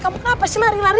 kamu kenapa sih lari lari